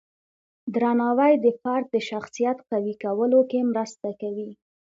درناوی د فرد د شخصیت قوی کولو کې مرسته کوي.